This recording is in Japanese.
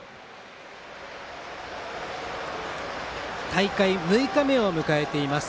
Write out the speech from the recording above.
大会６日目を迎えています。